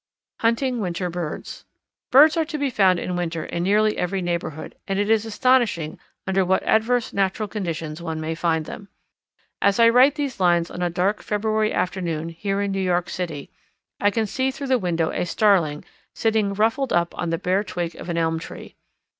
Hunting Winter Birds. Birds are to be found in winter in nearly every neighbourhood, and it is astonishing under what adverse natural conditions one may find them. As I write these lines on a dark February afternoon, here in New York City, I can see through the window a Starling sitting ruffled up on the bare twig of an elm tree.